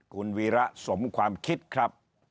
คุณวีระสมความคิดครับ